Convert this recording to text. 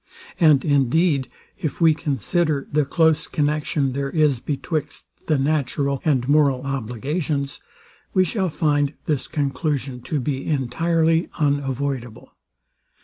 And indeed, if we consider the close connexion there is betwixt the natural and moral obligations, we shall find this conclusion to be entirely unavoidable.